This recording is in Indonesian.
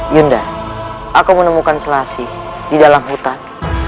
yunda aku menemukan selasi di dalam hutan